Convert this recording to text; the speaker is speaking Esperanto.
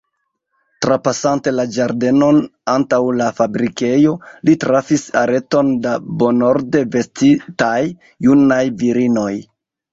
Trapasante la ĝardenon antaŭ la fabrikejo, li trafis areton da bonorde vestitaj junaj virinoj.